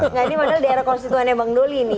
nah ini padahal daerah konstituennya bang doli ini